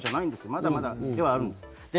まだまだあるんです。